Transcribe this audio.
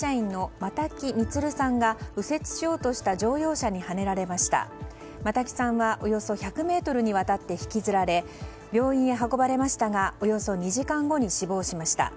又木さんはおよそ１００ｍにわたって引きずられ病院へ運ばれましたがおよそ２時間後に死亡しました。